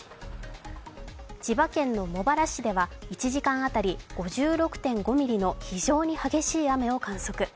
千葉県の茂原市では、１時間当たり５６．５ミリの非常に激しい雨を観測。